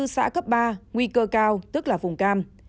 ba mươi bốn xã cấp ba nguy cơ cao tức là vùng cam